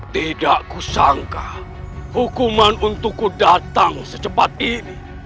tidak kusangka hukuman untukku datang secepat ini